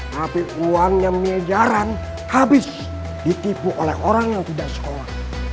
tapi uangnya miliaran habis ditipu oleh orang yang tidak sekolah